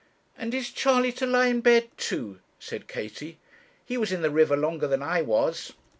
'And is Charley to lie in bed too?' said Katie. 'He was in the river longer than I was.'